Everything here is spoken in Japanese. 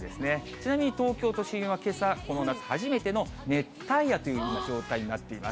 ちなみに東京都心はけさ、この夏初めての熱帯夜というような状態になっています。